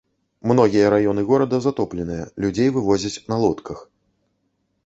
Многія раёны горада затопленыя, людзей вывозяць на лодках.